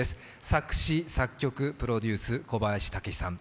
作詞・作曲・プロデュース、小林武史さん。